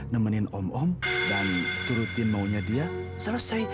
nemenin om om dan turutin maunya dia selesai